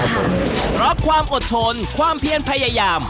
เพราะความอดทนความเพียนพยายาม